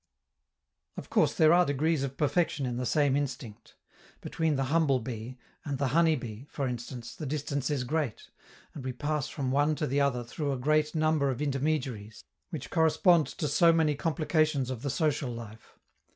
Of course there are degrees of perfection in the same instinct. Between the humble bee, and the honey bee, for instance, the distance is great; and we pass from one to the other through a great number of intermediaries, which correspond to so many complications of the social life.